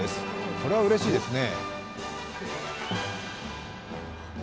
これはうれしいですね。